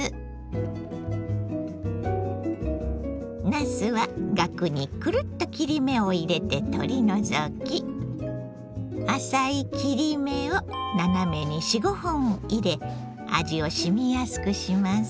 なすはガクにくるっと切り目を入れて取り除き浅い切り目を斜めに４５本入れ味をしみやすくします。